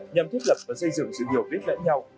nhằm thiết lập và xây dựng sự hiểu biết lẫn nhau